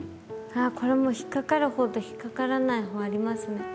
あこれも引っ掛かる方と引っ掛からない方ありますね。